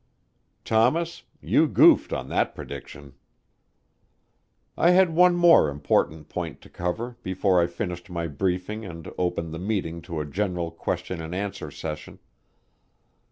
Thomas you goofed on that prediction. I had one more important point to cover before I finished my briefing and opened the meeting to a general question and answer session.